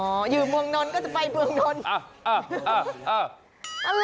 อ๋ออยู่เมืองนนทบุรีก็จะไปเมืองนนทบุรี